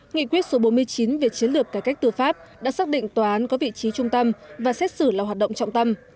nghị quyết số bốn mươi chín về chiến lược cải cách tư pháp đã xác định tòa án có vị trí trung tâm và xét xử là hoạt động trọng tâm